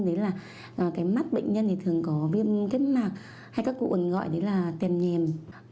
đấy là mắt bệnh nhân thường có viêm kết mạc hay các cụ ẩn gọi là tiềm nhềm